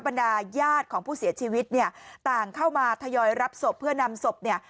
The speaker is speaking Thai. บรรดาญาติของผู้เสียชีวิตเนี่ยต่างเข้ามาทยอยรับศพเพื่อนำศพเนี่ย